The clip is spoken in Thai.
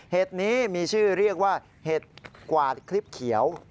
นี้มีชื่อเรียกว่าเห็ดกวาดคลิปเขียว